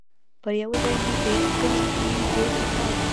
پر یوه ځای مو تیر کړي دي دیرش کاله